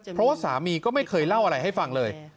เพราะว่าสามีก็ไม่เคยเล่าอะไรให้ฟังเลย